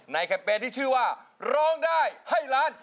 แคมเปญที่ชื่อว่าร้องได้ให้ล้าน